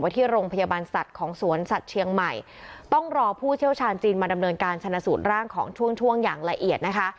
ทางจีนมาดำเนินการชนสูตรร่างของช่วงอย่างละเอียดนะคะ